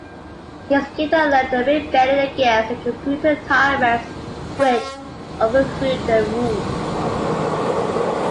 He escaped and led a rebellion against the Computer Tyrants which overthrew their rule.